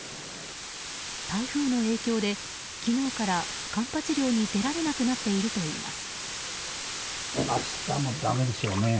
台風の影響で昨日からカンパチ漁に出られなくなっているといいます。